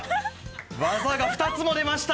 技が２つも出ました！